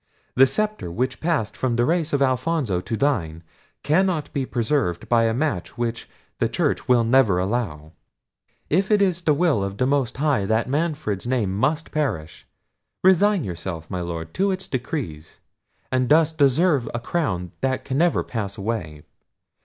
The sceptre, which passed from the race of Alfonso to thine, cannot be preserved by a match which the church will never allow. If it is the will of the Most High that Manfred's name must perish, resign yourself, my Lord, to its decrees; and thus deserve a crown that can never pass away.